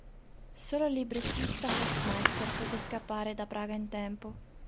Solo il librettista Hoffmeister poté scappare da Praga in tempo.